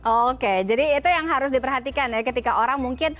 oke jadi itu yang harus diperhatikan ya ketika orang mungkin